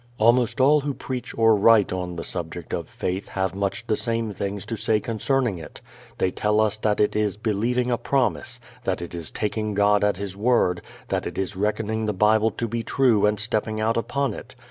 Almost all who preach or write on the subject of faith have much the same things to say concerning it. They tell us that it is believing a promise, that it is taking God at His word, that it is reckoning the Bible to be true and stepping out upon it.